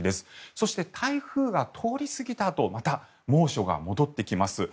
そして台風が通り過ぎたあとまた猛暑が戻ってきます。